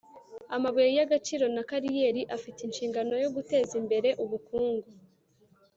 amabuye y agaciro na kariyeri afite inshingano yo guteza imbere ubukungu